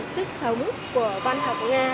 sức sống của văn học nga